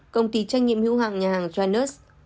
công ty trách nhiệm hưu hạng nhà hàng janus